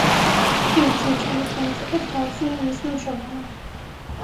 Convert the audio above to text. თინათინ ჩემი ხელმწიფედ დავსვი მე, მისმაბ მშობელმან